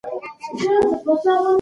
د مسافرو ستونزې يې د دولت مسئله بلله.